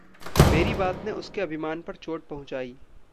मेरी बात ने उसके अभिमान पर चोट पहुँचाई।